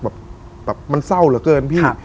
แบบมันเศร้าเหลือเกินพี่